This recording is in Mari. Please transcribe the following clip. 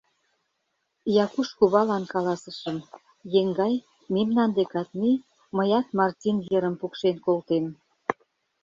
Якуш кувалан каласышым: «Еҥгай, мемнан декат мий, мыят Мартин ерым пукшен колтем».